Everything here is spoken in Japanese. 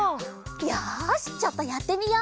よしちょっとやってみよう！